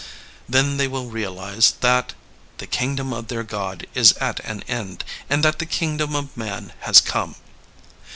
*' Then they will realize that the kingdom of their God is at an end, and that the kingdom of man has come.